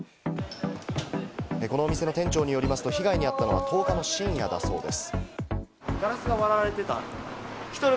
この店の店長によりますと、被害に遭ったのは１０日の深夜だそうです。